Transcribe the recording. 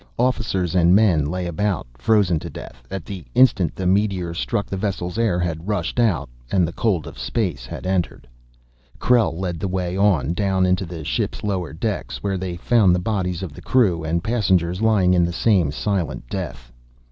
Officers and men lay about, frozen to death at the instant the meteor struck vessel's air had rushed out, and the cold of space had entered. Krell led the way on, down into the ship's lower decks, where they found the bodies of the crew and passengers lying in the same silent death.